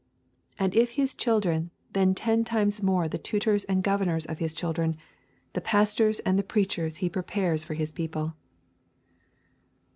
And if His children, then ten times more the tutors and governors of His children, the pastors and the preachers He prepares for His people.